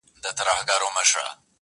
یاجوج ماجوج دي ښه په خبر یې!!